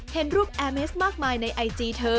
เห็นรูปแอร์เมสมากมายในไอจีเธอ